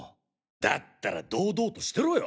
だったら堂々としてろよ！